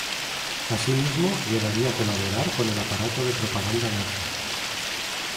Asímismo, llegaría a colaborar con el aparato de propaganda nazi.